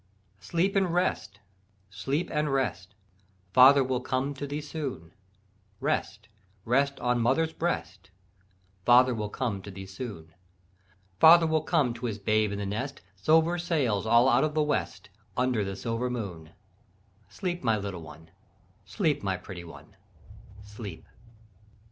"Sleep and rest, sleep and rest, Father will come to thee soon; Rest, rest on mother's breast, Father will come to thee soon; Father will come to his babe in the nest, Silver sails all out of the west, Under the silver moon: Sleep my little one, sleep my pretty one, sleep!"